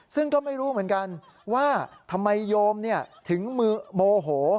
ซึ่งก็ไม่รู้เหมือนกันว่าทำไมโยมถึงโมโห